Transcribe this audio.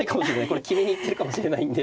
これ決めに行ってるかもしれないんで。